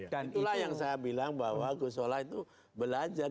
dan itulah yang saya bilang bahwa gusole itu belajar